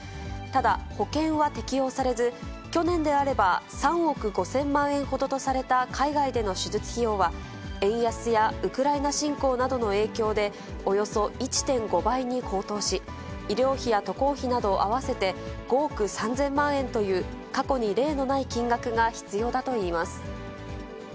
ただ、保険は適用されず、去年であれば、３億５０００万円ほどとされた海外での手術費用は、円安やウクライナ侵攻などの影響で、およそ１．５倍に高騰し、医療費や渡航費など、合わせて５億３０００万円という、過去に例のない金額が必要だといいます。